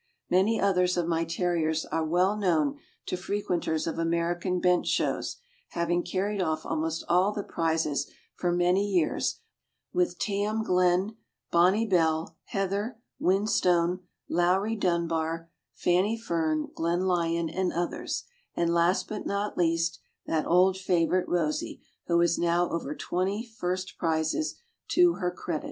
Many others of my Terriers are well known to frequenters of American bench shows, having carried off almost all the prizes for many years, with Tarn Glen, Bonnie Belle, Heather, Whinstone, Lowrie Dunbar, Fanny Fern, Glenlyon, and others; and last, but not least, that old favorite, Rosie, who has now over twenty first prizes to her credit.